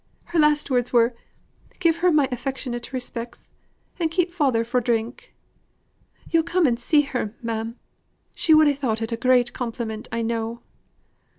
Her last words were 'Give her my affectionate respects; and keep father fro' drink.' Yo'll come and see her ma'am. She would ha' thought it a great compliment, I know."